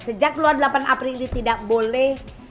sejak keluar delapan april ini tidak boleh